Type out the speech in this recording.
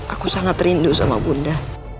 aku sangat rindu sama bunda